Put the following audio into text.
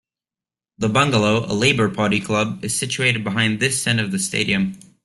The Bungalow, a Labour Party club, is situated behind this end of the stadium.